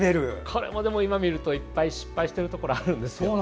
これも今見るといっぱい失敗してるところが。